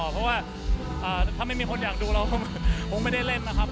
เพราะว่าถ้าไม่มีคนอยากดูเราก็คงไม่ได้เล่นนะครับ